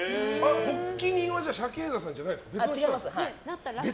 発起人はシャケーザさんじゃないんですか。